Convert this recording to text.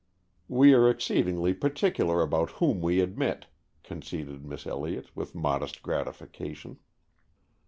"We are exceedingly particular about whom we admit," conceded Miss Elliott, with modest gratification.